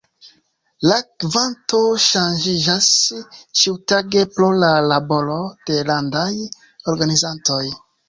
La kvanto ŝanĝiĝas ĉiutage pro la laboro de landaj organizantoj.